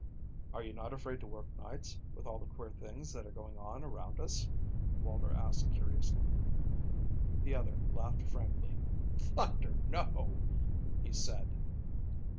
"Are you not afraid to work nights, with all the queer things that are going on around us?" Walter asked curiously. The other laughed frankly. "Thunder, no," he said.